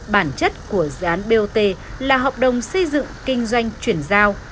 bản chất của dự án bot là hợp đồng xây dựng kinh doanh chuyển giao